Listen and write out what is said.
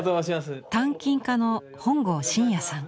鍛金家の本郷真也さん。